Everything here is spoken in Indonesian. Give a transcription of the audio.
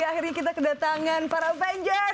akhirnya kita kedatangan para avenger